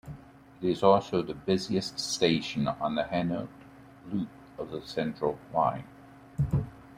It is also the busiest station on the Hainault loop of the Central line.